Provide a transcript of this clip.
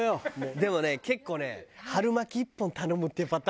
でもね結構ね春巻き１本頼むっていうパターンも。